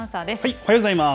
おはようございます。